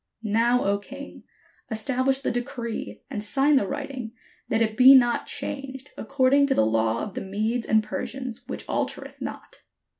Now, O king, establish the decree, and sign the writing, that it be not changed, according to the law of the Medes and Persians, which altereth not."